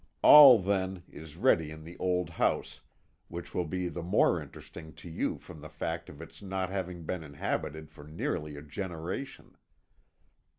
All, then, is ready in the old house, which will be the more interesting to you from the fact of its not having been inhabited for nearly a generation.